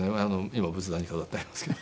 今仏壇に飾ってありますけど。